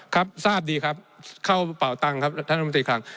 ครับทราบดีครับเข้าเป่าตังครับท่านรัฐมนตรีคลัง